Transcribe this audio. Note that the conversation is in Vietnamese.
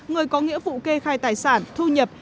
người có nghĩa vụ kê khai tài sản thu nhập